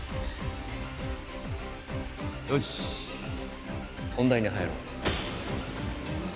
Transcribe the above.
よし本題に入ろう